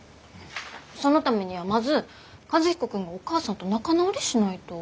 そのためにはまず和彦君がお母さんと仲直りしないと。